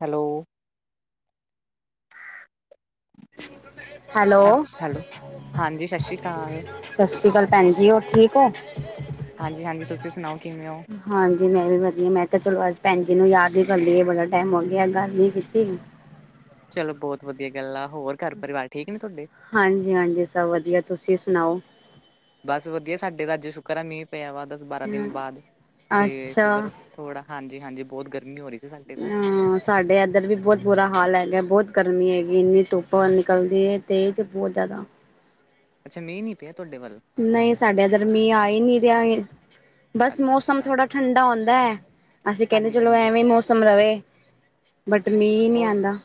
Hello. [inaudible] ਹੈ hello ਹਾਂਜੀ ਸਤਿ ਸ਼੍ਰੀ ਅਕਾਲ। ਸਤਿ ਸ਼੍ਰੀ ਅਕਾਲ ਭੈਣ ਜੀ ਹੋਰ ਠੀਕ ਓ? ਹਾਂਜੀ-ਹਾਂਜੀ ਤੁਸੀਂ ਸੁਣਾਓ ਕਿਵੇਂ ਓ? ਹਾਂਜੀ ਮੈਂ ਵੀ ਵਧੀਆ ਮੈਂ ਕੇਆ ਚਲੋ ਪੈਨਜੀ ਨੂੰ ਯਾਦ ਈ ਕਰ ਲਈਏ ਬੜਾ ਟੈਮ ਹੋ ਗਿਐ ਗੱਲ ਨੀ ਕੀਤੀ। ਚਲੋ ਬੋਤ ਵਧੀਆ ਗੱਲ ਆ। ਹੋਰ? ਘਰ ਪਰਿਵਾਰ ਠੀਕ ਨੇ ਤੁਹਾਡੇ? ਹਾਂਜੀ-ਹਾਂਜੀ ਸਭ ਵਧੀਆ। ਤੁਸੀਂ ਸੁਣਾਓ। ਬਸ ਵਧੀਐ ਸਾਡੇ ਤਾ ਆੱਜ ਸ਼ੁਕਰ ਐ ਮੀਂਅ ਪਿਆ ਵਾ ਦਸ-ਬਾਰਾਂ ਦਿਨ ਬਾਦ ਤੇ ਅੱਛਾ ਸ਼ੁਕਰ ਥੋੜਾ ਹਾਂਜੀ-ਹਾਂਜੀ ਬੋਤ ਗਰਮੀ ਹੋ ਰੀ ਤੀ ਸਾਡੇ ਤਾਂ। ਤਾਡੇ ਐਧਰ ਵੀ ਬੋਤ ਬੁਰਾ ਹਾਲ ਹੈਗੈ। ਬੋਤ ਗਰਮੀ ਹੈਗੀ ਏ। ਇੰਨੀ ਧੁੱਪ ਨਿਕਲਦੀ ਏ ਤੇਜ ਬੋਤ ਜ਼ਿਆਦਾ ਅੱਛਾ ਨਈ ਮੀਂਅ ਪਿਆ ਤੁਆਡੇ ਵੱਲ। ਨਈ ਸਾਡੇ ਐਧਰ ਮੀਂਅ ਆ ਈ ਨੀ ਰਿਆ ਹੀ। ਬਸ ਮੌਸਮ ਅੱਛਾ ਥੋੜਾ ਠੰਡਾ ਹੁੰਦੈ। ਅਸੀ ਕੈਨੇ ਚਲੋ ਹਾਂਜੀ-ਹਾਂਜੀ ਐਵੇਂ ਮੌਸਮ ਰਵੇ। ਬਟ ਮੀਂਅ ਨਈ ਆਂਦਾ।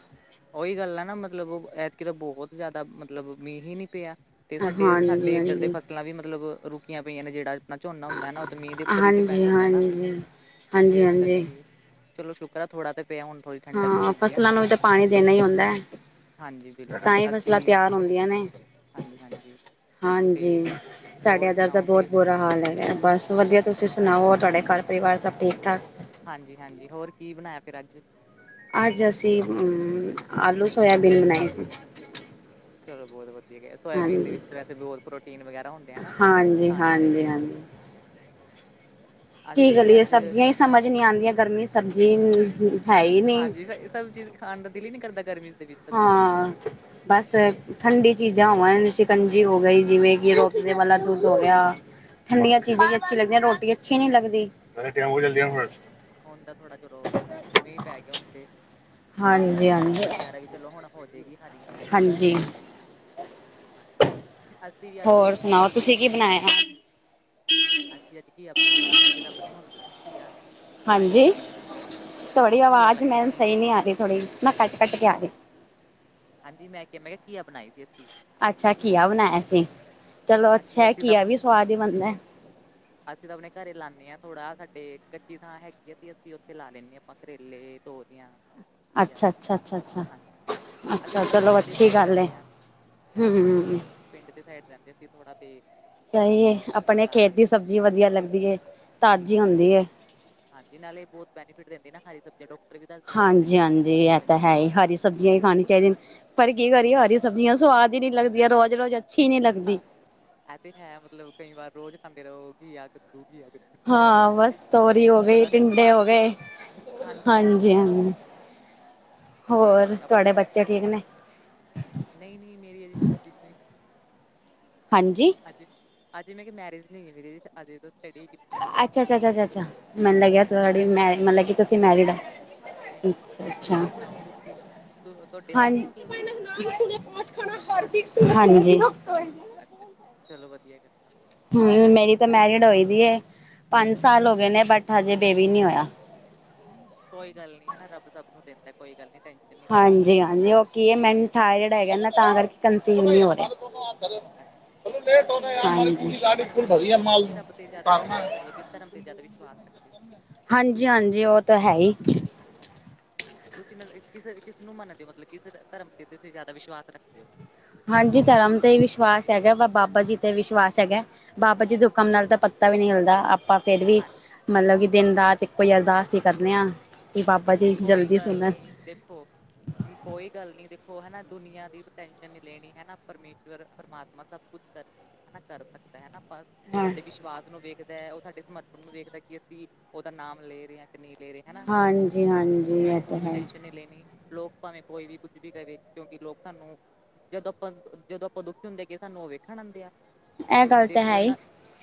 ਓਈ ਗੱਲ ਐ ਨਾ ਮਤਲਬ ਐਤਕੀ ਤਾਂ ਬੋਹੋਤ ਜਿਆਦਾ ਮਤਲਬ ਮੀਂਅ ਹੀ ਨੀ ਪਿਆ। ਤੇ ਸਾਡੇ, ਹਾਂਜੀ ਸਾਡੇ ਏੱਧਰ ਤੇ ਹਾਂਜੀ ਫਸਲਾਂ ਵੀ ਮਤਲਬ ਰੁਕੀਆਂ ਪਈਆਂ ਨੇ ਜੇੜਾ ਨਾ ਝੋਨਾ ਹੁੰਦੈ ਨਾ ਓ ਤੇ ਮੀਂਅ ਦੇ ਉੱਪਰ ਹੀ ਡਿਪੈਂਡ ਹੁੰਦੈ ਨਾ ਹਾਂਜੀ-ਹਾਂਜੀ, ਤੇ ਇਸ ਹਾਂਜੀ-ਹਾਂਜੀ ਕਰਕੇ ਚਲੋ ਸ਼ੁਕਰ ਐ ਥੋੜਾ ਤੇ ਪਿਐ ਹੁਨ ਥੋੜੀ ਠੰਡਕ ਵੀ ਹਾਂ ਹੋ ਗਈ ਆ ਫਸਲਾਂ ਨੂੰ ਵੀ ਤੇ ਪਾਣੀ ਦੇਣਾ ਈ ਹੁੰਦੈ। ਹਾਂਜੀ ਬਿਲਕੁਲ ਤਾਂਈਂ ਅਸੀਂ ਫਸਲਾਂ ਤਿਆਰ ਹੁੰਦੀਆਂ ਨੇ। ਹਾਂਜੀ ਹਾਂਜੀ ਤੇ ਹਾਂਜੀ ਸਾਡੇ ਹੋਰ ਐੱਧਰ ਤੇ ਸੁਣਾਓ ਫਿਰ ਬੋਤ ਬੁਰਾ ਹਾਲ ਹੈਗੈ। ਬਸ ਵਧੀਆ ਅੱਛਾ ਤੁਸੀ ਸੁ ਅੱਛਾ ਸੁਣਾਓ ਹੋਰ ਤੁਆਡੇ ਘਾਰ ਪਰਿਵਾਰ ਸਭ ਠੀਕ-ਠਾਕ? ਹਾਂਜੀ-ਹਾਂਜੀ ਹੋਰ ਕੀ ਬਨਾਇਆ ਫੇਰ ਆੱਜ? ਆੱਜ ਅਸੀ ਹੂੰ ਆਲੂ ਸੋਇਆਬੀਨ ਬਣਾਈ ਸੀ। ਚਲੋ ਬੋਤ ਵ ਠੀਕ ਐ। ਸੋਇਆਬੀਨ ਦੇ ਹਾਂਜੀ। ਵਿੱਚ ਵੈਸੇ ਬੋਤ ਪ੍ਰੋਟੀਨ ਵਗੈਰਾ ਹੁੰਦੇ ਐ ਨਾ, ਖਾਨੇ ਚਾਹੀਦੇ ਆ। ਹਾਂਜੀ-ਹਾਂਜੀ-ਹਾਂਜੀ। ਕੀ ਅਸੀਂ ਵੀ ਗਲੀਏ ਅੱਜ ਸਬਜੀਆਂ ਈ ਸਮਝ ਨੀ ਆਂਦੀਆਂ ਗਰਮੀ ਸਬਜੀ ਹਾਂਜੀ ਸ ਏ ਸਭ ਚੀਜ਼ ਖਾਣ ਦਾ ਦਿਲ ਈ ਨੀ ਕਰਦਾ ਗਰਮੀ ਦੇ ਵਿੱ ਹਾਂ ਬਸ ਠੰਡੀ ਚੀਜਾਂ ਹੋਵਨ, ਸ਼ਿਕੰਜੀ ਹੋ ਗਈ ਜਿਵੇਂ ਕਿ ਰੋਅਪਜ਼ੇ ਵਾਲਾ ਦੁੱਧ ਹੋ ਗਿਆ ਠੰਡੀਆਂ ਹਾਂਜੀ ਚੀਜਾਂ ਵੀ ਅੱਛੀ ਲੱਗਦੀਆਂ, ਰੋਟੀ ਅੱਛੀ ਨੀ ਲੱਗਦੀ। ਬਿਲਕੁਲ, ਹੂਨ ਦਾ ਥੋੜਾ ਚਲੋ ਮੀਂਅ ਪੈ ਗਿਆ ਹੁਣ ਤੇ ਮਤਲਬ ਹਾਂਜੀ ਸਬਜੀਆਂ ਵਗੈਰਾ ਵੀ ਚਲੋ ਹੁਣ ਹੋ ਜੇਗੀ ਹਰੀਆਂ-ਹਰੀਆਂ ਸਬਜੀਆਂ ਆ ਹਾਂਜੀ ਜਾਨਗੀਆਂ। ਹਾਂ ਅਸੀ ਵੀ ਆੱਜ ਹੋਰ ਘੀਆ ਸੁਣਾਓ ਬਣਾਈ ਤੁਸੀਂ ਕੀ ਸੀ। ਬਣਾਇਆ ਅਸੀ ਆੱਜ ਘੀਆ ਬਣਾਈ ਸੀ। ਸਾਡੇ ਤਾਂ ਆਪਣੀ ਹੁੰਦੀਆਂ ਨੇ ਘੀਆ। ਲਾਏ ਹੋਏ ਹਾਂਜੀ ਅਸੀਂ ਬੂਟੇ ਵਗੈਰਾ ਤੁਆਡੀ ਘੀਆ ਆਵਾਜ ਲੱਗਦੀ ਮੈਨੰ ਸਈ ਨੀ ਆ ਰੀਂ ਥੋੜੀ ਜੀ। ਮੈਂ ਕੱਟ-ਕੱਟ ਕੇ ਆ ਰੀ। ਹਾਂਜੀ ਮੈਂ ਕਿਆ ਮੈਂ ਹਾ ਘੀਆ ਬਨਾਈ ਸੀ ਅਸੀ। ਅੱਛਾ ਘੀਆ ਬਨਾਇਆ ਸੀ। ਚਲੋ ਅੱਛਾ ਹਾਂਜੀ ਐ ਅਸੀਂ ਘੀਆ ਵੀ ਸਵਾਦ ਈ ਬਨਨੈ। ਅਸੀ ਤਾਂ ਆਪਣੇ ਘਰੇ ਲਾਂਨੇਂ ਆਂ ਥੋੜਾ, ਸਾਡੇ ਕੱਚੀ ਥਾਂ ਹੈਗੀ ਆ ਤੇ ਅਸੀ ਓਥੇ ਲਾ ਲੈਂਨੇਂ ਆਂ ਆਪਾਂ। ਕਰੇਲੇ, ਤੋਰੀਆਂ ਅੱਛਾ-ਅੱਛਾ-ਅੱਛਾ-ਅੱਛਾ। ਅਸੀ ਥੋੜਾ ਪਿੰਡ ਦੀ ਸਾਈਡ ਰੈਂਦੇ ਆ। ਹੂੰ। ਪਿੰਡ ਦੇ ਸਾਈਡ ਰੈਂਦੇ ਅਸੀ ਥੋੜਾ ਤੇ ਸਈ ਏ। ਅਸੀਂ ਮਤਲਬ ਆਪਣੇ ਲਾ ਖੇਤ ਲੈ ਦੀ ਸਬਜ਼ੀ ਵਧੀਆ ਲੱਗਦੀ ਏ। ਤਾਜੀ ਬਿਲਕੁਲ ਹੁੰਦੀ ਬਿਲਕੁਲ ਏ। ਹਾਂਜੀ ਨਾਲੇ ਬੋਤ ਬੈਨੀਫਿਟ ਰੈਂਦੀ ਨਾ ਹਰੀ ਸਬਜੀਆਂ। ਡੋਕਟਰ ਵੀ ਦਸਦੇ ਆ ਨਾ ਹਰੀ ਸਬਜੀਆਂ ਖਾਣੇ ਚਾ ਹਾਏ ਹਰੀ ਸਬਜੀਆਂ ਈ ਖਾਣੀ ਚਾਈਦੀਆਂ। ਪਰ ਕੀ ਕਰੀਏ ਹਰੀ ਸਬਜ਼ੀਆਂ ਸੁਵਾਦ ਈ ਨੀ ਲਗਦੀਆਂ ਰੋਜ-ਰੋਜ ਅੱਛੀ ਨੀ ਲੱਗਦੀ। ਐ ਤੇ ਹੈ ਮਤਲਬ, ਕਈ ਵਾਰ ਰੋਜ਼ ਖਾਂਦੇ ਰੋ ਘੀਆ- ਕੱਦੂ ਘੀ ਆ ਕ ਹਾਂ ਬਸ, ਤੋਰੀ ਹੋ ਗਈ, ਟਿੰਡੇ ਸਵਾਦ ਹੋ ਥੋੜਾ ਗਏ ਹਾਂਜੀ ਹਾਂਜੀ ਹਾਂਜੀ-ਹਾਂਜੀ ਹੋਰ ਤੇ ਤੁਹਾਡੇ ਬੱਚੇ ਠੀਕ ਨੇ? ਨਈ ਨਈ ਮੇਰੀ ਹਜੇ ਸ਼ਾਦੀ [unintelligible] ਹਾਂਜੀ ਹੋਈ ਅਜੇ ਮੈਂ ਕਿਆ, ਮੈਰਿਜ ਨੀ ਹੋਈ ਮੇਰੀ ਅਜੇ ਸਟੱਡੀ [unintelligible] ਅੱਛਾ-ਅੱਛਾ-ਅੱਛਾ-ਅੱਛਾ ਮੈਨੂੰ ਲੱਗਿਆ ਹਾਂਜੀ ਹਾਂਜੀ ਮਤਲਬ ਕੀ ਤੁਸੀਂ ਮੈਰੀਡ ਨਹੀਂ ਨਹੀਂ ਅੱਛਾ-ਅੱਛਾ ਤੁਸੀਂ ਸੁਣਾਓ ਤੁਸੀਂ ਤੁ- ਤੁਹਾਡੇ ਹਾਂ ਹੈਗੇ ਆ ਮਤਲਬ ਹਾਂਜੀ। ਅੱਛਾ-ਅੱਛਾ ਵਧੀਆ ਗੱਲ ਆ ਹੂੰ, ਮੇਰੀ ਅਸੀਂ ਤਾਂ ਚੱਲ ਮੈਰਿਡ ਹੋਈ ਦੀ ਏ, ਪੰਜ ਸਾਲ ਹੋ ਗਏ ਨੇ ਬਟ ਹਜੇ, ਬੇਬੀ ਨੀ ਹੋਇਆ ਕੋਈ ਗੱਲ ਨੀ ਹਨਾ, ਰੱਬ -ਰੱਬ ਸਬ ਨੂੰ ਦਿੰਦਾ ਕੋਈ ਗੱਲ ਨੀ ਟੈਂ ਹਾਂਜੀ-ਹਾਂਜੀ ਓ ਕੀ ਐ ਮੈਨੂੰ ਥਾਇਰਡ ਹੈਗਾ ਨਾ, ਤਾਂ ਕਰਕੇ ਕੰਸੀਵ ਨੀ ਹੋ ਰਿਆ ਹੈਲੋ ਹਾ, ਤੁਸੀਂ ਕਿਨੂੰ ਮੰਨਦੇ ਓ, ਕਿਸ -ਕਿਸ ਰੱਬ ਤੇ ਜਾਦਾ ਵਿਸ਼ਵਾਸ ਰੱਖਦੇ ਓ, ਕਿਸ ਧਰਮ ਤੇ ਜਾਦਾ ਵਿਸ਼ਵਾਸ ਰੱਖ [unintelligible] [inaudible] ਹਾਂਜੀ-ਹਾਂਜੀ ਓ ਤੇ ਹੈ ਈ ਤੁਸੀਂ ਮ ਕਿਸ ਕਿਸਨੂੰ ਮੰਨਦੇ ਓ ਮਤਲਬ, ਕਿ ਧਰਮ ਤੇ ਜਿਆਦਾ ਵਿਸ਼ਵਾਸ ਰੱਖਦੇ ਓ? ਹਾਂਜੀ, ਧਰਮ ਤੇ ਵਿਸ਼ਵਾਸ ਹੈਗਾ, ਵ ਬਾਬਾ ਜੀ ਤੇ ਵਿਸ਼ਵਾਸ ਹੈਗਾ ਬਾਬਾ ਜੀ ਦੇ ਹੁਕਮ ਨਾਲ ਤਾਂ, ਪੱਤਾ ਵੀ ਨਹੀ ਹਿਲਦਾ ਆ ਪਰ ਫੇਰ ਵੀ ਹਾਂ, ਮਤਲਬ ਕੀ, ਦਿਨ- ਰਾਤ ਇੱਕੋ ਈ ਅਰਦਾਸ ਈ ਕਰਨੇ ਆ, ਕੀ ਬਾਬਾ ਜੀ ਕੋਈ ਜਲਦੀ ਗੱਲ ਸੁਣਨ ਨਈ ਦੇਖੋ ਕੋਈ ਗੱਲ ਨਈ ਦੇਖੋ ਹਨਾ, ਦੁਨੀਆਂ ਦੀ ਟੈਨਸ਼ਨ ਨਈ ਲੈਣੀ ਹਨਾ ਪਰਮੇਸ਼ਵਰ ਪਰਮਾਤਮਾ ਸਭ- ਕੁੱਛ ਕਰ ਕਰ ਸਕਦਾ ਹਨਾ, ਪਰ ਓ ਹਾਂ ਤੁਹਾਡੇ ਵਿਸ਼ਵਾਸ ਨੂੰ ਵੇਖਦੈ ਓ ਸਾਡੇ ਸਮਰਥਨ ਨੂੰ ਵੇਖਦੈ ਕੀ, ਅਸੀਂ ਓਦਾ ਨਾਮ ਲੈ ਰਹੇ ਆ ਕੀ ਨਈ, ਲੇ ਰੇ ਹਨਾ ਹਾਂਜੀ -ਹਾਂਜੀ ਏ ਤਾਂ ਹੈ ਲੈਨੀ, ਲੋਕ ਭਾਵੇਂ ਕੋਈ ਵੀ, ਕੁੱਝ ਵੀ ਕਵੇ ਕਿਉਂਕਿ, ਲੋਕ ਤਾਂਨੂੰ ਜਦੋਂ ਆਪਾਂ- ਜਦੋਂ ਆਪਾਂ ਦੁਖੀ ਹੁੰਦੇ ਆ ਕਿ, ਸਾਨੂੰ ਓ ਵੇਖਣ ਆਂਦੇ ਆ ਇਹ ਗੱਲ ਤੇ ਤਾਂ ਹੈ ਹੀ ਓਨਾਂ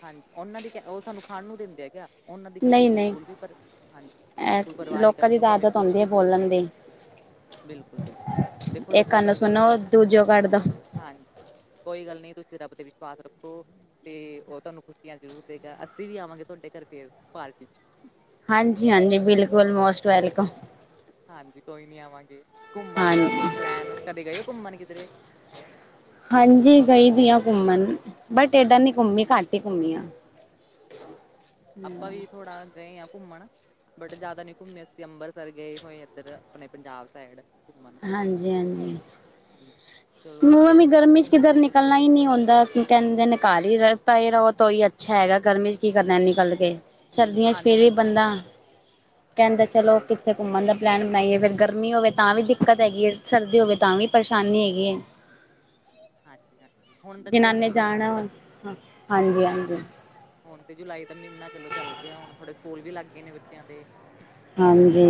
ਹਾਂਜੀ, ਓਨਾਂ ਦੀ ਕਿ ਉਹ ਤੁਹਾਨੂੰ ਖਾਣ ਨੂੰ ਦਿੰਦੇ ਐ ਕਿਆ ਓਨਾਂ ਦੀ ਗੱਲਦੀ ਨਹੀਂ ਨਹੀਂ ਬਿਲਕੁੱਲ ਵੀ, ਪਰਵਾਹ ਹਾਂਜੀ, ਬਿਲਕੁੱਲ ਇਹ ਪਰਵਾਹ ਨੀ ਲੋਕਾਂ ਕਰਨੀ ਦੀ ਓ ਤਾਂ ਭਾਵੇਂ, ਆਦਤ ਕੁੱਛ ਹੁੰਦੀ ਹੈ ਵੀ ਬੋਲਦੇ ਬੋਲਣ ਰਹੋ ਦੀ ਬਿਲਕੁੱਲ-ਬਿਲਕੁੱਲ ਦੇਖੋ ਇੱਕ ਲੋਕਾਂ ਕੰਨ ਦਾ, ਗਲ ਸੁਣੋ ਐ ਦੂਜੋ ਕੱਢ ਦੋ ਹਾਂਜੀ ਕੋਈ ਗੱਲ ਨਈ, ਤੁਸੀਂ ਰੱਬ ਤੇ ਵਿਸ਼ਵਾਸ ਰੱਖੋ ਤੇ ਓ ਤੁਹਾਨੂੰ, ਖੁਸ਼ੀਆਂ ਜ਼ਰੂਰ ਦੇਵੇਗਾ, ਅਸੀਂ ਵੀ ਆਵਾਂਗੇ ਤੁਹਾਡੇ ਘਰ, ਫਿਰ ਪਾਰਟੀ ਚ ਹਾਂਜੀ-ਹਾਂਜੀ ਬਿਲਕੁੱਲ, ਮੋਸਟ ਵੈਲਕਮ ਹਾਂਜੀ, ਕੋਈ ਨੀ ਆਵਾਂਗੇ, ਘੁੰਮਣ ਦਾ ਹਾਂਜੀ ਕੋਈ ਪਲੈਨ ਕਦੇ ਗਏ ਓ, ਘੁੰਮਣ ਕਿਧਰੇ? ਹਾਂਜੀ ਗਈ ਦੀ ਆ ਘੁੰਮਣ, ਬਟ ਏਦਾ ਨੀ ਘੁੰਮੀ, ਘੱਟ ਈ ਘੁੰਮੀ ਆ ਆਪਾਂ ਵੀ, ਥੋੜ੍ਹਾ ਗਏ ਆ ਘੁੰਮਣ ਬਟ ਜਿਆਦਾ ਨਈ ਘੁੰਮੇ, ਅਸੀਂ ਅੰਬਰਸਰ ਗਏ ਹੋਏ, ਏਧਰ ਆਪਣੇ ਪੰਜਾਬ ਸਾਈਡ ਹਾਂਜੀ-ਹਾਂਜੀ ਹੂੰ ਮੁੂੰਹ ਐ ਮੀ ਗਰਮੀ ਚ, ਕਿਧਰ ਨਿਕ ਨਿਕਲਣਾ ਈ ਨੀ ਹੁੰਦਾ ਕਹਿਦੇ ਨੇ ਘਰ ਈ ਰੋ ਤੋ ਈ ਅੱਛਾ ਹੈਗਾ, ਗਰਮੀ ਚ ਕੀ ਕਰਨਾ ਨਿਕਲ ਕੇ ਬਿਲ ਸਰਦੀਆਂ ਚ, ਹਾਂਜੀ ਫੇਿਰ ਵੀ ਹਾਂਜੀ ਹੋ- ਬੰਦਾ ਕਹਿੰਦਾ, ਚਲੋ ਸਹੀ ਕਿੱਥੇ ਗੱਲ ਘੁੰਮਣ ਦਾ ਪਲੈਨ ਬਣਾਈਏ, ਫਿਰ ਗਰਮੀ ਹੋਵੇ ਤਾਂ ਵੀ ਦਿੱਕਤ ਹੈਗੀ ਏ, ਸਰਦੀ ਹੋਵੇ ਤਾਂ, ਵੀ ਪਰੇਸ਼ਾਨੀ ਹੈਗੀ ਏ ਹਾਂਜੀ, - ਹਾਂਜੀ ਹੁਣ ਤਾਂ ਚਲੋ ਜਿਨ੍ਹਾਂ ਨੇ ਮੌਸਮ ਜਾਣਾ ਥੋੜ੍ਹਾ ਹਾਂ ਹਾਂਜੀ ਹਾਂਜੀ ਹੁਣ ਤੇ ਜੁਲਾਈ ਦਾ ਮੀਨਾ ਚਲੋ ਚੱਲ ਗੇਆ ਹੁਣ ਥੋੜੇ ਸਕੂਲ ਵੀ ਲੱਗ ਗਏ ਨੇ ਬੱਚਿਆਂ ਦੇ। ਹਾਂਜੀ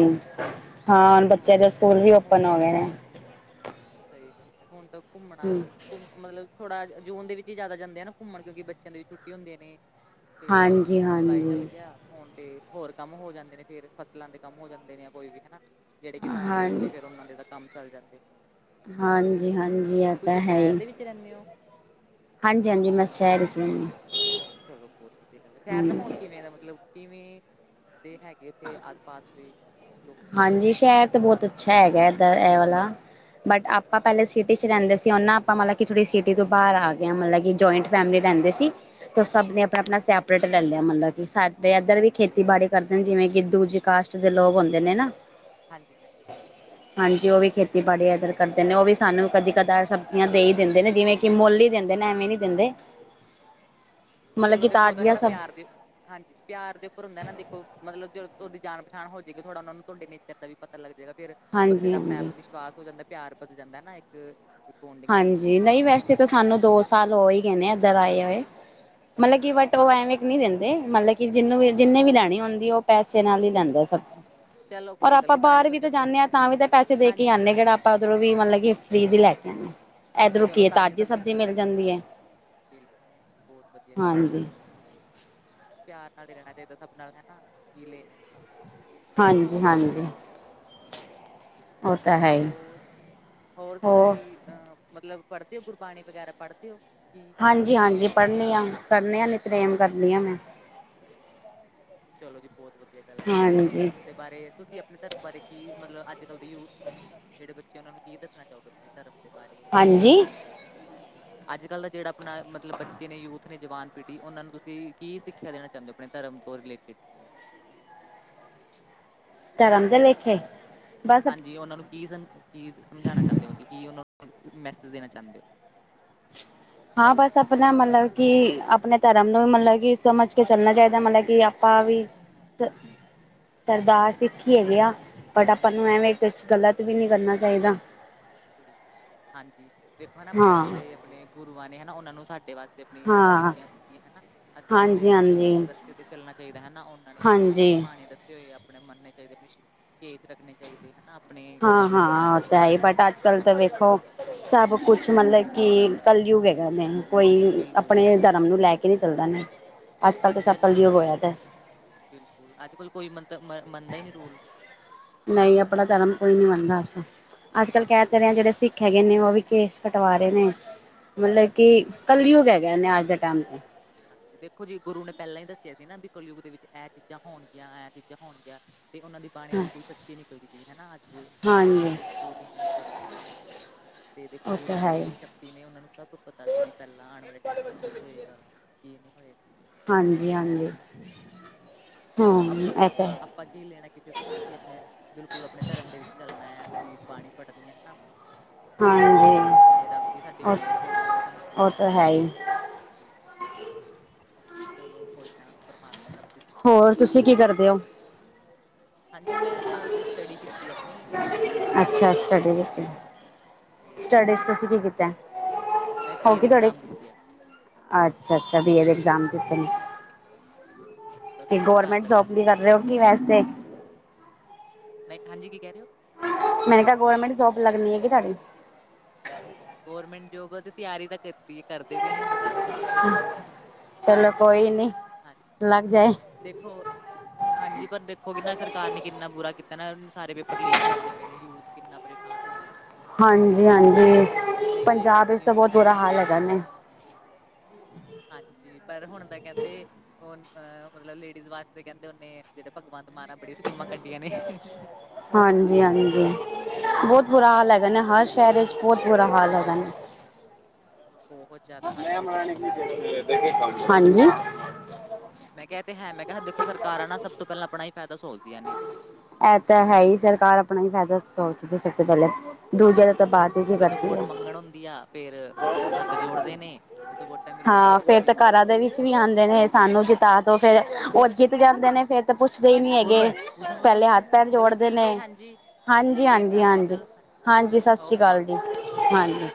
ਹਾਂ ਬੱਚਿਆਂ ਹੁਣ ਦੇ ਸਕੂਲ ਵੀ ਓਪਨ ਹੋ ਗਏ ਨੇ। ਸੲ ਈ ਗੱਲ ਐ ਹੁਣ ਤਾਂ ਘੁੰਮਣਾ ਹੂੰ। ਮਲਲ ਥੋੜਾ ਜੂਨ ਦੇ ਵੇਚ ਈ ਜਾਦਾ ਜਾਂਦੇ ਆ ਘੁੰਮਣ ਕਿਉਕਿ ਬੱਚੇਆਂ ਦੀ ਛੁੱਟੀ ਹੁੰਦੀਆਂ ਨੇ। ਤੇ ਹਾਂਜੀ ਹੁਣ ਜੁਲਾਈ ਚੱਲ ਹਾਂਜੀ। ਗੇਆ ਹੁਣ ਤੇ ਹੋਰ ਕੰਮ ਹੋ ਜਾਂਦੇ ਨੇ ਫੇਰ ਫ਼ਸਲਾਂ ਦੇ ਕੰਮ ਹੋ ਜਾਂਦੇ ਨੇ ਜਾਂ ਕੋਈ ਵੀ ਹਨਾ। ਜੇੜੇ ਕਿਸਾਨ ਹਾਂ ਲੋਕ ਨੇ ਫੇਰ ਓਨਾਂ ਦੇ ਤਾਂ ਕੰਮ ਚੱਲ ਜਾਂਦੇ ਨੇ। ਹਾਂਜੀ-ਹਾਂਜੀ ਐ ਤਾਂ ਹੈ ਈ। ਤੀ ਰੰਨੇਓ ਹਾਂਜੀ-ਹਾਂਜੀ ਮੈਂ ਸੈ਼ਰ ਵੀਚ ਰੈਦੀ ਆਂ। ਚਲੋ ਬੋਤ ਵਧੀਆ ਗੱਲ ਏ ਸੈ਼ਰ ਦਾ ਮਾਹੌਲ ਕੀਵੇਂ ਦਾ ਮਤਲਵ ਕੀਵੇਂ ਦੇ ਹੈਗੇ ਓਥੇ ਆਸ-ਪਾਸ ਦੇ ਲੋਕੀ ਹਾਂਜੀ ਸੈਰ ਤਾਂ ਬੋਤ ਅੱਛਾ ਹੈਗਾ ਏਦ ਐ ਵਾਲਾ। ਬਟ ਆਪਾਂ ਪੈਲਾਂ ਸਿਟੀ ਚ ਰੈਦੇ ਸੀ ਹੋਨਾ ਆਪਾਂ ਮਲਵ ਕੀ ਥੋੜ੍ਹੀ ਸਿਟੀ ਤੋਂ ਬਾਰ ਆ ਗੇਆ ਹ ਮਲਵ ਕੀ ਜਆਇੰਟ ਫੈਮਿਲੀ ਲੈਂਦੇ ਸੀ, ਤੋ ਸਭ ਨੇ ਅਪਣਾ-ਅਪਣਾ ਅੱਛਾ, ਸੈਪਰੇਟ ਲੈ ਲਿਆ ਮਲਵ ਸਾਡੇ ਐਦਰ ਵੀ ਖੇਤੀਬਾੜੀ ਕਰਦੇ ਨੇ ਜੇਵੇਂ ਕੀ ਦੂਜੀ ਕਾਸਟ ਦੇ ਲੋਕ ਹੁੰਦੇ ਨੇ ਨਾ ਹਾਂਜੀ-ਹਾਂਜੀ। ਹਾਂਜੀ ਓ ਵੀ ਖੇਤੀਬਾੜੀ ਐਧਰ ਕਰਦੇ ਨੇ ਓ ਵੀ ਸਾਨੂੰ ਕਦੀ-ਕਦਾਰ ਸਬਜ਼ੀਆਂ ਦੇ ਈ ਦੇਂਦੇ ਨੇ ਜੀਵੇਂ ਕੇ ਮੁੱਲ ਈ ਦੇਦੇ ਨੇ ਐਵੇਂ ਨੀ ਦੀਂਦੇ। ਚਲੋ ਦੇਖੋ ਓ ਤੋ ਹੈ ਤਾਜ਼ੀਆਂ ਨਾ ਸਬ ਪਿਆਰ ਦੇ ਹਾਂਜੀ ਪੇਆਰ ਦੇ ਉੱਪਰ ਹੁੰਦਾ ਨਾ ਦੇਖੋ ਮਤਲਵ ਜ ਓਦੀ ਜਾਣ-ਪਛਾਣ ਹੋ ਜੇਗੀ ਥੋੜਾ ਓਨਾ ਨੂੰ ਤੁਹਾਡੇ ਨੇਚਰ ਦਾ ਵੀ ਪਤਾ ਲੱਗ ਜੇਗਾ ਫੇਰ ਬੰਦੇ ਹਾਂਜੀ ਦਾ ਆਪਣੇ ਹਾਂਜੀ ਆਪ ਵਿਸ਼ਵਾਸ ਹੋ ਜਾਂਦਾ ਪਿਆਰ ਬਧ ਜਾਂਦਾ ਨਾ ਇੱਕ ਬੋਂਡਿੰਗ ਬਣ ਹਾਂਜੀ ਜਾਂਦੀ ਹੈ ਨਈ ਵੈਸੇ ਤਾਂ ਸਾਨੂੰ ਦੋ ਸਾਲ ਹੋ ਈ ਗਏ ਨੇ ਏਧਰ ਆਏ ਹੋਏ ਮਤਲਵ ਕੀ ਬਟ ਓ ਐਵੇਂ ਨਹੀਂ ਦੇਂਦੇ ਮਤਲਵ ਕਿ ਜੀਨੂੰ ਵੀ ਜੀਨੇ ਵੀ ਲੈਣੀ ਹੁੰਦੀ ਓ ਪੈਸੇ ਨਾਲ ਈ ਲੈਂਦਾ ਸਬ [inaudible] ਔਰ ਕੋਈ ਗੱਲ ਆਪਾਂ ਨੀ ਤਾਜ਼ੀ ਬਾਰ ਵੀ ਸਬਜ਼ੀ ਤਾਂ ਜਾਂਦੇ ਆ ਮਿਲਦੀ ਹੈ ਤਾਂ ਵੀ ਤਾਂ ਪੈਸੇ ਦੇ ਕੇ ਹਾਂਜੀ ਆਨੇ ਕੇੜਾ ਆਪ ਪਾਂ ਉੱਧਰੋਂ ਵੀ ਮਤਲਬ ਕਿ ਫਰੀ ਦੀ ਲੈ ਕੇ ਇੱਧਰੋਂ ਚਲੋ ਕੀ ਹੈ ਤਾਜ਼ੀ ਸਬਜ਼ੀ ਮਿਲ ਜਾਂਦੀ ਹੈ ਜਾਵੇ ਬਿਲਕੁਲ ਬਹੁਤ ਵਧੀਆ ਗਲ ਹਾਂਜੀ ਪਿਆਰ ਨਾਲ ਈ ਰੈਣਾ ਚਾਈਦਾ ਸਭ ਨਾਲ ਹਨਾ ਕੀ ਲੈਣੇ ਹਾਂਜੀ-ਹਾਂਜੀ। ਹੋਰ, ਹੋਰ ਤੁਸੀਂ ਅ ਮਤਲਵ ਪੜਦੇ ਓ ਗੁਰਬਾਣੀ ਪੜਦੇ ਓ ਕਿ ਹਾਂਜੀ-ਹਾਂਜੀ ਪੜਨੇ ਆ ਨੇਤਨੇਮ ਕਰਨੇ ਆ ਨਿਤਨੇਮ ਕਰਨੀ ਹ ਮੈਂ ਚਲੋ ਜੀ ਬੋਤ ਵਧੀਆ ਗੱਲ ਆ ਹੋਰ ਹਾਂਜੀ ਧਰਮ ਦੇ ਬਾਰੇ ਤੁਸੀਂ ਆਪਣੇ ਧਰਮ ਬਾਰੇ ਕੀ ਮਤਲਵ ਅੱਜ-ਕੱਲ ਦੇ ਯੂਥ ਨੂੰ ਜੇੜੇ ਬੱਚੇ ਓਨਾਂ ਨੂੰ ਕੀ ਦੱਸਣਾ ਚਾਓਗੇ? ਆਪਣੇ ਧਰਮ ਦੇ ਬਾਰੇ ਕੀ ਹਾਂਜੀ ਕੈਣਾ ਚਾਹੋ ਅੱਜ-ਕੱਲ ਦਾ ਜੇੜਾ ਆਪਣਾ ਮਤਲਵ ਬੱਚੇ ਨੇ ਯੂਥ ਨੇ ਜਵਾਨ ਪੀੜ੍ਹੀ ਓਨਾਂ ਨੂੰ ਤੁਸੀਂ ਕੀ ਸੀਖੇਆ ਦੇਣਾ ਚਾਦੇ ਓ ਆਪਣੇ ਧਰਮ ਤੋਂ ਰਿਲੇਟਿਵ? ਧਰਮ ਦੇ ਲੇਖੇ? ਬਸ ਹਾਂਜੀ ਓਨਾਂ ਨੂੰ ਕੀ ਸਮਾ ਕੀ ਸਮਝਾਣਾ ਚਾਦੇ ਓ ਮਤਲਵ ਕੀ ਓਨਾਂ ਨੂੰ ਮੈਸੇਜ ਦੇਣਾ ਚਾਦੇ ਓ? ਹਾਂ ਬਸ ਆਪਣਾ ਮਲਵ ਕੀ ਆਪਣੇ ਧਰਮ ਨੂੰ ਵੀ ਮਲਵ ਕੀ ਸਮਝ ਕੇ ਚੱਲਣਾ ਚਾਈ ਦਾ ਮਲਵ ਕਿ ਆਪਾਂ ਵੀ ਸਾ ਸਰਦਾਰ ਸਿੱਖੀ ਹੈਗੇ ਆ ਬਟ ਆਪਾਂ ਹਾਂਜੀ ਨੂੰ ਹਾਂਜੀ ਐਵੇਂ ਕੁਛ ਗ਼ਲਤ ਵੀ ਨੀ ਕਰਨਾ ਚਾਈਦਾ। ਠੀਕ ਹਾਂਜੀ ਦੇਖੋ ਨਾ ਅਪਣੇ ਹਾਂ ਜੇੜੇ ਅਪਣੇ ਗੁਰੂਆਂ ਨੇ ਹਨਾ ਓਨਾਂ ਨੂੰ ਸਾਡੇ ਵਾਸਤੇ ਆਪੀਆਂ ਹਾਂ ਸ਼ਹੀਦੀਆਂ ਦਿੱਤੀਆਂ ਹਨਾ। ਅਸੀਂ ਉਹਨਾਂ ਦੇ ਹਾਂਜੀ ਹਾਂਜੀ ਮਤਲਬ ਰਸਤੇ ਤੇ ਚੱਲਣਾ ਚਾਹੀਦਾ ਹੈਨਾ ਉਹਨਾਂ ਨੇ ਜਿਹੜੇ ਸਾਨੂੰ ਹਾਂਜੀ ਭਾੜੇ ਏ ਆਪਣੇ ਮੰਨੇ ਚਾਹੀਦੇ, ਆਪਣੇ ਕੇਸ ਰੱਖਣੇ ਚਾਹੀਦੇ ਹੈਨਾ। ਹਾਂ-ਹਾਂ, ਔਤਾ ਹੈਹੀ ਬਟ ਅਜ ਕੱਲ੍ਹ ਤਾਂ ਵੇਖੋ ਸਭ ਕੁਛ ਮਤਲਬ ਕਿ ਕੱਲਯੁਗ ਹੈਗਾ ਨੇ। ਕੋਈ ਬਿਲਕੁਲ ਬਿਲਕੁਲ ਅਪਣੇ ਧਰਮ ਨੂੰ ਲੈ ਕੇ ਨੀ ਚੱਲਦਾ ਨੇ, ਅੱਜ-ਕੱਲ੍ਹ ਤਾਂ ਹਾਂਜੀ ਸਭ ਅੱਜ ਕੱਲ ਕਲਯੁਗ ਕੋਈ ਹੋਯਾ ਦੈ। ਬਿਲਕੁਲ, ਅੱਜ-ਕੱਲ ਕੋਈ ਮੰਤਲ ਮੰਨਦਾ ਹੀ ਨੀ ਰੂਲ ਨੂੰ। ਨਹੀਂ, ਅਪਣਾ ਧਰਮ ਕੋਈ ਨੀ ਮਣਦਾ ਅੱਜ-ਕੱਲ, ਅੱਜ-ਕੱਲ ਕੈ ਤੇ ਹੋਰ, ਰਏ ਆ ਜੇੜੇ ਸਿੱਖ ਖ ਹੈਗੇ ਨੇ ਓ ਵੀ ਕੇਸ ਕਟਵਾ ਰੇ ਨੇ ਹਾਂਜੀ ਮਤਲਬ ਕਿ ਕੱਲਯੁੱਗ ਹੋਗੈ ਨੇ ਅੱਜ ਦੇ ਟੈਮ ਤੇ। ਹਾਂਜੀ, ਦੇਖੋ ਜੀ ਗੁਰੂ ਨੇ ਪੈਲਾਂ ਹੀ ਦੱਸਿਆ ਸੀ ਨਾ ਬਈ ਕਲਯੁਗ ਦੇ ਵਿੱਚ ਐ ਚੀਜ਼ਾਂ ਹੋਣਗੀਆਂ ਐ ਚੀਜ਼ਾਂ ਹੋਣਗੀਆਂ। ਤੇ ਓਨਾਂ ਦੀ ਬਾਣੀ ਹਾਂ ਬਿਲਕੁਲ ਸੱਚੀ ਨਿਕਲਦੀ ਪੀ ਏ ਹੈਨਾ ਅੱਜ ਹੈਨਾ ਹਾਂਜੀ ਓਹ ਜੋ-ਜੋ ਉਨਾਂ ਨੇ ਕਿਹਾ। ਤੇ ਦੇਖੋ ਉਹ ਤਾਂ ਗੁਰੂਆਂ ਦੀ ਹੈ ਹੀ ਕਿੰਨੀ ਸ਼ਕ ਤੀ ਨੇ ਓਨਾਂ ਨੂੰ ਸਭ ਕੁਝ ਪਤਾ ਸੀ ਬੀ ਪੈਲਾਂ ਆਣ ਵਾਲੇ ਟੈਮ ਚ ਕੀ ਹੋਏਗਾ ਕੀ ਨੀ ਹੋਏਗਾ। ਹਾਂਜੀ-ਹਾਂਜੀ। ਹਾਂਜੀ, ਚਲੋ ਅਪਾਂ-ਅਪਾਂ-ਅਪਾਂ ਕੀ ਲੇਣਾ ਕਿਸੇ ਤੋ ਹੈਨਾ, ਅਸੀਂ ਅਪਣੇ ਬਿਲਕੁਲ, ਅਪਣੇਂ ਧਰਮ ਦੇ ਵਿੱਚ ਚੱਲਣੈ, ਅਸੀਂ ਬਾਣੀ ਪੜਨੀ ਐ ਹੈਨਾ। ਹਾਂਜੀ ਤਾਕੀ ਅਪਣੇ ਰੱਬ ਦੀ ਸਾਡੀ ਮੇਰ ਉਹ ਹੋਵੇ, ਓਹ ਸਾਨੂੰ ਉਹ ਖੁੱਚੀਆਂ ਤਾਂ ਹੈ ਦੇਵੇ। ਹੀ ਵੇ ਚਲੋ, ਕੋਈ ਨਾ ਪਰਮਾਤਮਾ ਸਭ ਦੀ ਹੋਰ, ਤੁਸੀਂ ਕੀ ਕਰਦੇ ਔ? ਹਾਂਜੀ, ਮੈਂ ਤਾਂ ਅੱਜ ਸਟੱਡੀ ਕੀਤੀ ਅਪਣੀ ਕੰਪਲੀਟ ਬੀ ਏ।, ਅੱਛਾ ਸਟੱਡੀ ਕੀਤੀ ਹਾਂਜੀ, ਬੀ ਏ ਦੇ ਏਗਜ਼ਾਮ ਕੈਂ, ਹੋਗੀ ਤੁਹਾਡੀ ਦਿੱਤੇ ਆ ਅੱਛਾ-ਅੱਛਾ, ਬੀ ਏ ਦੇ ਐਗਜ਼ਾਮ ਹਾਂਜੀ, ਦਿੱਤੇ ਨੇ। ਬਸ ਤੇ ਹੁਣ ਘਰ ਗੌਰਮੈਂਟ ਦਾ ਜੋਬ ਕੰਮ ਲਈ ਕੁਮ ਕਰ ਰੇ ਔ ਕਿ ਵੈਸੇ? ਨਹੀਂ, ਹਾਂਜੀ ਕੀ ਕੈ ਰੇ ਔ? ਮੈਨੇ ਕਹਾ, ਗੌਰਮੈਂਟ ਜੋਬ ਲੱਗਣੀ ਏ ਕੇ ਤੁਐਡੀ? ਗੌਰਮੈਂਟ ਜੋਬਾ ਤੇ ਤਿਆਰੀ ਤਾਂ ਕਿਤੀ ਏ ਕਰਦੇ ਪੇ ਆਂ ਬਟ ਅਜੇ ਤਾਂ ਕੁੱਛ ਹੈ ਨੀ। ਚਲੋ ਕੋਈ ਨੀ, ਲੱਗ ਜਾਏ। ਦੇਖੋ ਹਾਂਜੀ, ਪਰ ਦੇਖੋ ਕਿ ਨਾ ਸਰਕਾਰ ਨੇ ਕਿੰਨਾ ਬੁਰਾ ਕੀਤਾ ਨਾ, ਸਾਰੇ ਪੇਪਰ ਲੀਕ ਕਰਦੇ ਪਏ ਨੇ, ਯੂਥ ਕਿੰਨਾ ਪਰੇਸ਼ਾਨ ਹੋ ਰੈ। ਹਾਂਜੀ-ਹਾਂਜੀ, ਹੋਏਗਾ ਪੰਜਾਬ ਤੁਸੀਂ ਏਚ ਤਾਂ ਨਿਊਜ਼ ਦਾ ਬੌਤ ਬੁਰਾ ਹਨਾ ਹਾਲ ਹੈਗਾ ਨੇ। ਹਾਂਜੀ, ਪਰ ਹੁਣ ਤਾਂ ਕੈੰਦੇ ਓਹਨ ਮਤਲਬ ਲੇਡੀਜ਼ ਵਾਸਤੇ ਕੈੰਦੇ ਓਨੇ ਜੇੜਾ ਭਗਵੰਤ ਮਾਨ ਐ, ਬੜੀ ਸਕੀਮਾਂ ਕੱਢੀਆਂ ਨੇ। ਹਾਂਜੀ-ਹਾਂਜੀ, ਬੌਤ ਬੁਰਾ ਹਾਲ ਹੈਗਾ ਨੇ, ਹਰ ਸੈ਼ਰ ਚ ਬੌਤ ਬੁਰਾ ਹਾਲ ਹੈਗਾ ਨੇ। ਬੋਹਤ। ਹਾਂਜੀ। ਮੈਂ ਕਿਆ ਐ ਤੇ ਹੈ, ਮੈਂ ਕਿਆ ਦੇਖੋ ਸਰਕਾਰਾਂ ਨਾ ਸਭ ਤੋਂ ਪੈਲਾਂ ਅਪਣਾ ਹੀ ਫੈਦਾ ਸੋਚਦੀਆਂ ਨੇ। ਐ ਤਾਂ ਹੈ ਹੀ ਸਰਕਾਰ ਅਪਣਾ ਹੀ ਫੈਦਾ ਸੋਚਦੀ ਸਭ ਤੋਂ ਪੈਲੇ। ਜ- ਦੂਜਿਆਂ ਦੇ ਤਾ ਬਾਤ ਹੀ ਹਾਂਜੀ ਚੀ ਜਦੋਂ ਕਰਦੀ ਵੋਟ ਏ। ਮੰਗਣ ਹੁੰਦੀ ਆ ਫਿਰ ਹੱਥ ਜੋੜਦੇ ਨੇ ਜਦੋਂ ਵੋਟਾਂ ਮਿਲ ਗਈ ਹਾਂ, ਫਿਰ ਫੇਰ ਤੁਸੀਂ ਤੇ ਕੌਣ ਘਰਾਂ ਦੇ ਆਪਾਂ ਵਿੱਚ ਕੌਣ ਵੀ ਆੰਦੇ ਨੇ ਸਾਨੂੰ ਜਿੱਤ ਤਾ ਦੋ ਫੇਰ, ਹੋਰ ਜਿੱਤ ਜਾਂਦੇ ਨੇ ਫੇਰ ਤਾਂ ਪੁੱਛਦੇ ਹੀ ਨੀ ਹੈਗੇ। ਹਾਂਜੀ ਪੈਲੇ ਹੱਥ-ਪੈਰ ਚਲੋ ਜੋੜਦੇ ਠੀਕ ਨੇ। ਹੈ ਹਾਂਜੀ ਫੇਰ ਕਰਦੇ ਆਂ ਹਾਂਜੀ-ਹਾਂਜੀ-ਹਾਂਜੀ, ਗੱਲ -ਹਾਂਜੀ, ਸਤ ਸ਼੍ਰੀ ਅਕਾਲ ਜੀ, ਠੀਕ ਹਾਂਜੀ।